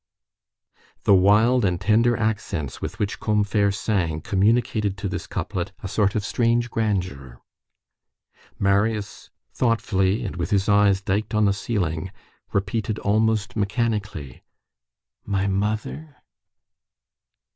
25 The wild and tender accents with which Combeferre sang communicated to this couplet a sort of strange grandeur. Marius, thoughtfully, and with his eyes diked on the ceiling, repeated almost mechanically: "My mother?